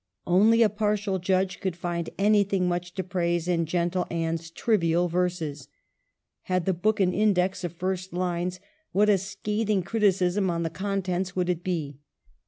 Only a partial judge could find anything much to praise in gentle Anne's trivial verses. Had the book an index of first lines, what a scathing criticism on the contents would it be